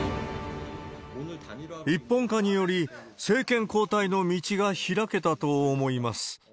一本化により、政権交代の道が開けたと思います。